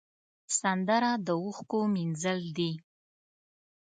سندره د اوښکو مینځل دي